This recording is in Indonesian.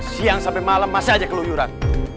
siang sampai malam masih aja keluyuran